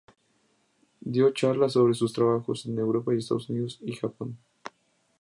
Dio charlas sobre sus trabajos en Europa y Estados Unidos y Japón.